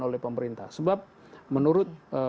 oleh pemerintah sebab menurut